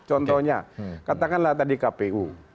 contohnya katakanlah tadi kpu